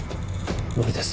無理です